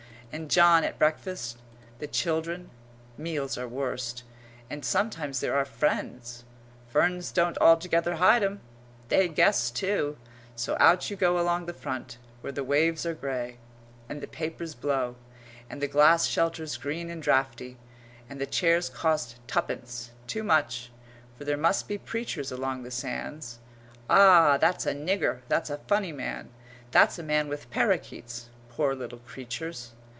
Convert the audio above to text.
And John at breakfast the children meals are worst, and sometimes there are friends ferns don't altogether hide 'em they guess, too; so out you go along the front, where the waves are grey, and the papers blow, and the glass shelters green and draughty, and the chairs cost tuppence too much for there must be preachers along the sands. Ah, that's a nigger that's a funny man that's a man with parakeets poor little creatures!